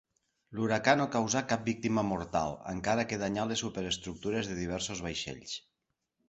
L'huracà no causà cap víctima mortal, encara que danyà les superestructures de diversos vaixells.